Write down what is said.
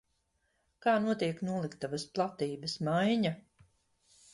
Kā notiek noliktavas platības maiņa?